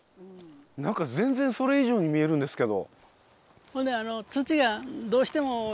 なんか全然それ以上に見えるんですけど。